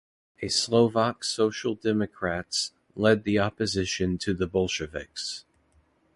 A Slovak Social Democrats led the opposition to the Bolsheviks.